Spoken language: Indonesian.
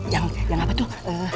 yang yang apa tuh